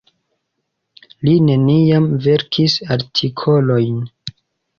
Li neniam verkis artikolojn.